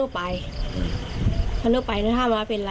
ทุกท่ายเหมือนตุ๊กใจเหมือนไม่เคยเจอ